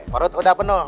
porot udah penuh